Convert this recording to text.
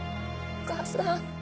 お母さん。